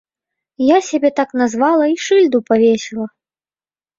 Я сябе так назвала і шыльду павесіла.